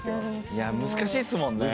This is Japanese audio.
いや難しいっすもんね。